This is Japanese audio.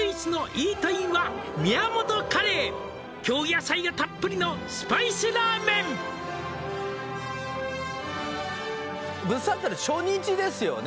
「イートインは宮本カレー」「京野菜がたっぷりのスパイスラーメン」物産展の初日ですよね